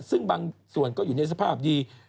ซึ่งบางส่วนก็อยู่ในสภาพดี